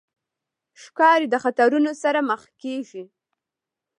ښکاري د خطرونو سره مخ کېږي.